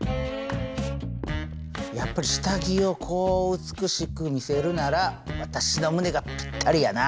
やっぱり下着を美しく見せるなら私の胸がピッタリやな。